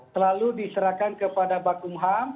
selalu diserahkan kepada bakung ham